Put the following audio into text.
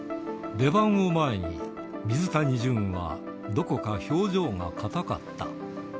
出番を前に、水谷隼はどこか表情が硬かった。